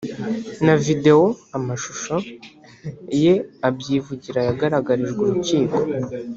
na video (amashusho) ye abyivugira yagaragarijwe urukiko